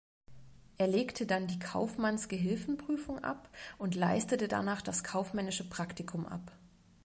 Er legte dann die Kaufmannsgehilfenprüfung ab und leistete danach das kaufmännische Praktikum ab.